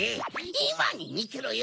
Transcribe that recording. いまにみてろよ！